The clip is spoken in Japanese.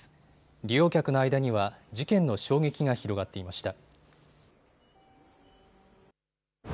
利用客の間には事件の衝撃が広がっていました。